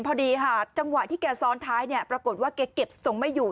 เห็นพอดีจังหวะที่แกซ้อนท้ายปรากฏว่าแกเก็บส่งไปอยู่